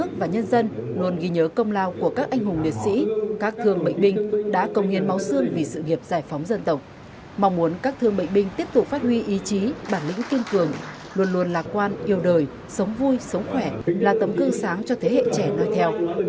thương binh liệt sĩ các thương bệnh binh đã công nghiên máu xương vì sự nghiệp giải phóng dân tộc mong muốn các thương bệnh binh tiếp tục phát huy ý chí bản lĩnh kiên cường luôn luôn lạc quan yêu đời sống vui sống khỏe là tấm cư sáng cho thế hệ trẻ nơi theo